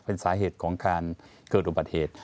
เป็นสาเหตุของการเกิดอุบัติเหตุ